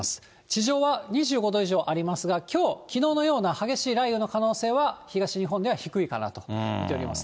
地上は２５度以上ありますが、きょう、きのうのような激しい雷雨の可能性は、東日本では低いかなと見ております。